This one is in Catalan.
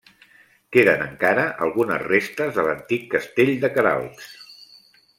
Queden encara algunes restes de l'antic castell de Queralbs.